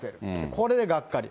これでがっかり。